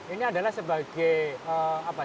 ini adalah sebagai apa